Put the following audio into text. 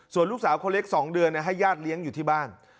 ส่วนลูกสาวคนเล็ก๒เดือนให้ญาติเลี้ยงอยู่ที่บ้าน